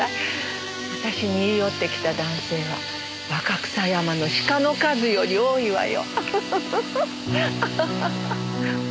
私に言い寄ってきた男性は若草山の鹿の数より多いわよ。